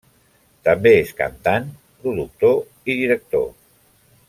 També és cantant, productor i director.